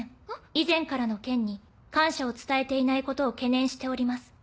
「以前からの件に感謝を伝えていないことを懸念しております。